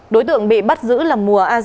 đối tượng bị bắt giữ là mùa a z